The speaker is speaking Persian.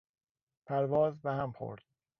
پرواز به هم خورد